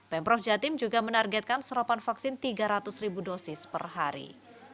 pemprov jatim juga menargetkan serapan vaksin tiga ratus ribu dosis per hari